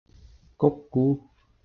唂咕